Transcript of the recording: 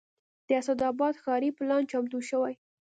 د اسداباد ښاري پلان چمتو شوی